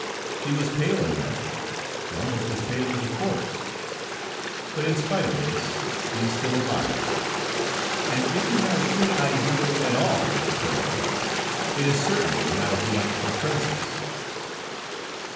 He was pale enough; almost as pale as a corpse; but in spite of this, he is still alive, and if he has any Ideal at all at present, it is certainly not a theatrical princess.